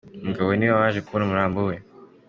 Umugabo we ni we waje kubona umurambo we.